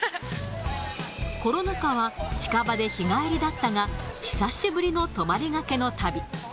コロナ禍は近場で日帰りだったが、久しぶりの泊りがけの旅。